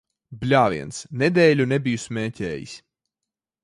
Bļāviens! Nedēļu nebiju smēķējis.